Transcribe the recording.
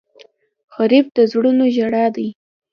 غریب د زړونو ژړا دی